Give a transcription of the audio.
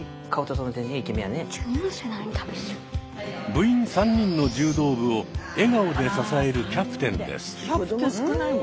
部員３人の柔道部を笑顔で支えるキャプテンです。